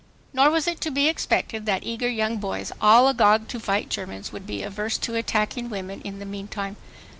Nor was it to be expected that eager young boys, all agog to fight Germans, would be averse to attacking women in the meantime.